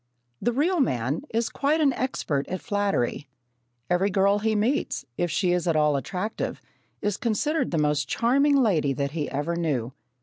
The real man is quite an expert at flattery. Every girl he meets, if she is at all attractive, is considered the most charming lady that he ever knew.